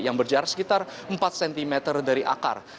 yang berjarak sekitar empat cm dari akar